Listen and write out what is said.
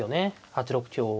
８六香を。